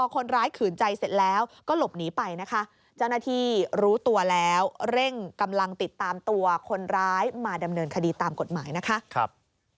ขอบคุณครับ